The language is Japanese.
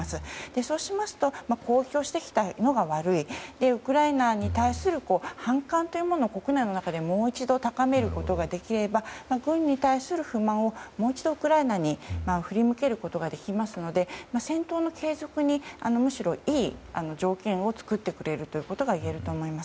そうしますと攻撃をしてきたのが悪いウクライナに対する反感を国内の中でもう一度高めることができれば軍に対する不満をもう一度、ウクライナに振り向けることができますので戦闘の継続にむしろいい条件を作ってくれるということが言えると思います。